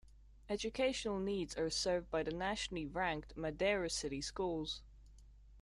Educational needs are served by the nationally ranked Madeira City Schools.